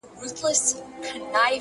مُلا ډوب سو په سبا یې جنازه سوه،